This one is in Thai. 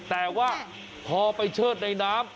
แต่ว่าพอไปเชิดในน้ำ